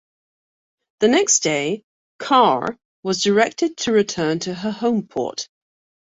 The next day, "Carr" was directed to return to her homeport.